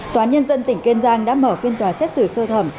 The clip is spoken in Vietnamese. tòa nhân dân tỉnh kên giang đã mở phiên tòa xét xử sơ thẩm